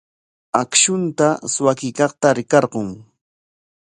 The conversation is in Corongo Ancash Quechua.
Akshunta suwakuykaqta rikarqun.